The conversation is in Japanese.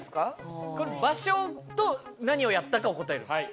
これ場所と何をやったかを答えるんですか？